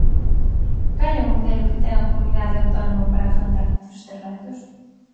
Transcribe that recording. ¿Cal é o modelo que ten a comunidade autónoma para afrontar todos estes retos?